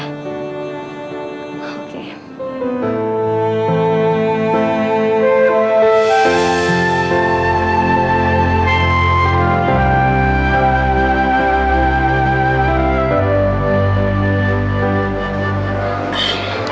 sampai jumpa lagi